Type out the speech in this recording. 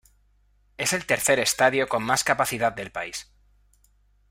Es el tercer estadio con más capacidad del país.